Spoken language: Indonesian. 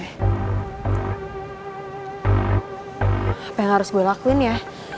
apa yang harus gue lakuin ya